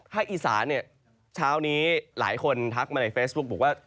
อีสานเนี่ยเช้านี้หลายคนทักมาในเฟซบุ๊คบอกว่า